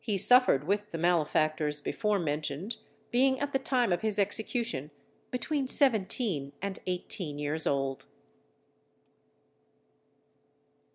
_ He suffered with the malefactors before mentioned, being at the time of his execution between seventeen and eighteen years old.